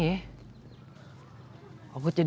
ini mungkin masuk mau ke jalan